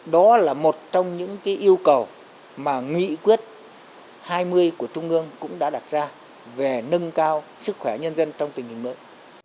đó là một trong những yêu cầu mà nghị quyết hai mươi của trung ương cũng đã đặt ra về nâng cao sức khỏe nhân dân trong tình hình mới